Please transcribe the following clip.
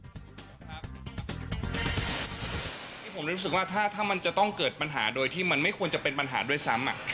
นี่ผมรู้สึกว่าถ้ามันจะต้องเกิดปัญหาโดยที่มันไม่ควรจะเป็นปัญหาด้วยซ้ำ